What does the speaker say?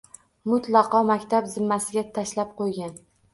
Mutlaqo maktab zimmasiga tashlab qo‘ygan.